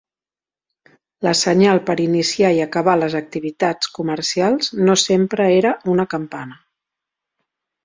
La senyal per iniciar i acabar les activitats comercials no sempre era una campana.